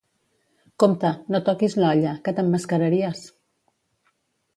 Compte, no toquis l'olla, que t'emmascararies!